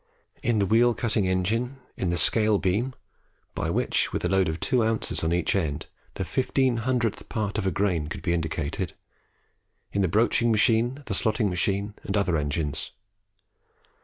in the wheel cutting engine, in the scale beam (by which, with a load of 2 oz. on each end, the fifteen hundredth part of a grain could be indicated), in the broaching machine, the slotting machine, and other engines.